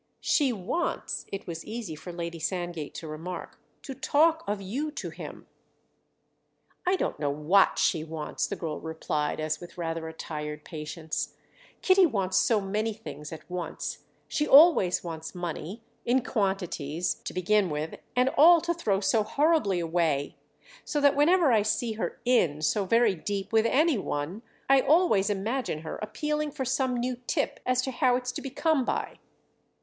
"She wants"—it was easy for Lady Sandgate to remark—"to talk of you to him." "I don't know what she wants," the girl replied as with rather a tired patience; "Kitty wants so many things at once. She always wants money, in quantities, to begin with—and all to throw so horribly away; so that whenever I see her 'in' so very deep with any one I always imagine her appealing for some new tip as to how it's to be come by."